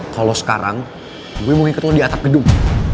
kalau sekarang gue mau ikat lo di atap gedung